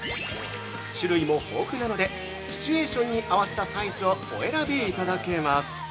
種類も豊富なのでシチュエーションに合わせたサイズをお選びいただけます！